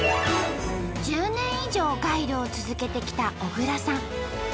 １０年以上ガイドを続けてきた小倉さん。